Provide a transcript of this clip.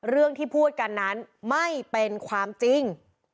เรื่องที่พูดกันนั้นไม่เป็นความจริง